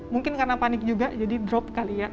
mungkin karena panik juga jadi drop kali ya